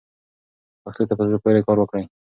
پښتو ته په زړه پورې کار وکړئ.